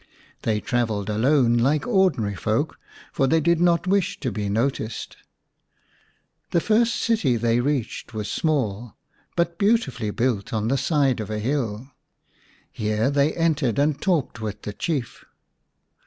They travelled alone like ordinary folk, for they did not wish to be noticed. The first city they reached was small, but beautifully built on the side of a hill. Here they entered and talked with the Chief.